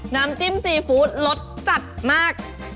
น้ำจิ้มซีฟู้ดรสจัดมาก